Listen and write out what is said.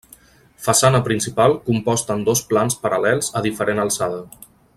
Façana principal composta en dos plans paral·lels a diferent alçada.